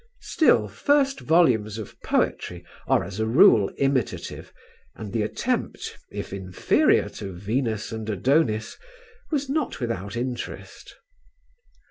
Still, first volumes of poetry are as a rule imitative and the attempt, if inferior to "Venus and Adonis," was not without interest.